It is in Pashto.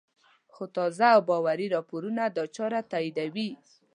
خو تازه او باوري راپورونه دا چاره تاییدوي